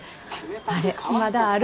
あれまだある？